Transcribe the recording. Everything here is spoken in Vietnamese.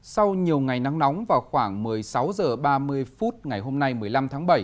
sau nhiều ngày nắng nóng vào khoảng một mươi sáu h ba mươi phút ngày hôm nay một mươi năm tháng bảy